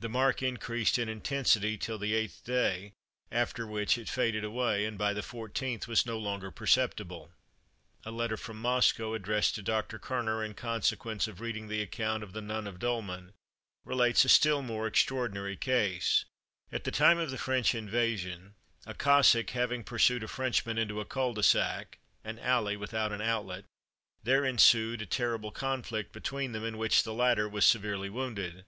The mark increased in intensity till the eighth day, after which it faded away, and by the fourteenth was no longer perceptible. A letter from Moscow, addressed to Dr. Kerner, in consequence of reading the account of the "Nun of Dulmen," relates a still more extraordinary case. At the time of the French invasion, a Cossack having pursued a Frenchman into a cul de sac—an alley without an outlet—there ensued a terrible conflict between them, in which the latter was severely wounded.